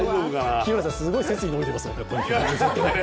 日村さん、すごい背筋伸びてますよ。